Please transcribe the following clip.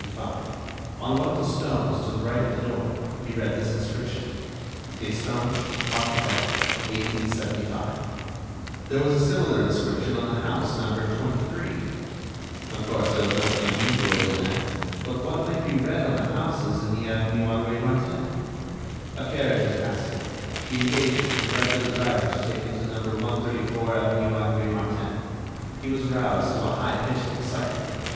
On one of the stones, to the right of the door, he read this inscription: "Destange, architect, 1875." There was a similar inscription on the house numbered 23. Of course, there was nothing unusual in that. But what might be read on the houses in the avenue Henri Martin? A carriage was passing. He engaged it and directed the driver to take him to No. 134 avenue Henri Martin. He was roused to a high pitch of excitement.